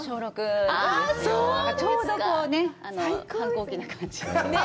ちょうど反抗期な感じ。